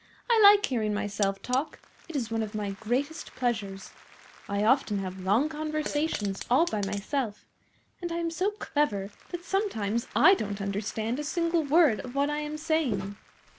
I like hearing myself talk. It is one of my greatest pleasures. I often have long conversations all by myself, and I am so clever that sometimes I don't understand a single word of what I am saying."